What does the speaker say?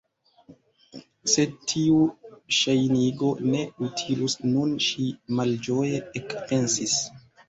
"Sed tiu ŝajnigo ne utilus nun" ŝi malĝoje ekpensis.